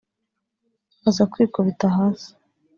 aza kwikubita hasi